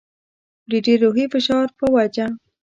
د ډېر روحي فشار په وجه.